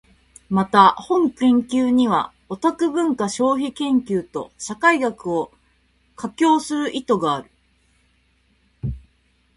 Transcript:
また、本研究にはオタク文化消費研究と社会学を架橋する意図がある。